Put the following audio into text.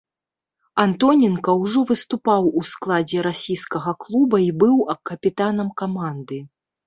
Антоненка ўжо выступаў у складзе расійскага клуба і быў капітанам каманды.